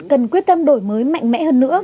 cần quyết tâm đổi mới mạnh mẽ hơn nữa